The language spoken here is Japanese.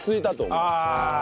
ああ。